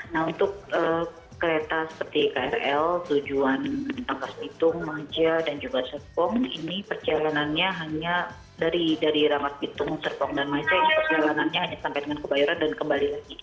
nah untuk kereta seperti krl tujuan tangkas bitung maja dan juga serpong ini perjalanannya hanya dari ramad bitung serpong dan maja ini perjalanannya hanya sampai dengan kebayoran dan kembali lagi